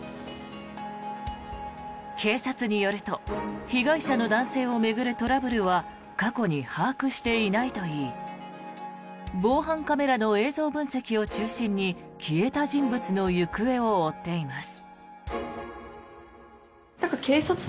警察によると被害者の男性を巡るトラブルは過去に把握していないといい防犯カメラの映像分析を中心に消えた人物の行方を追っています。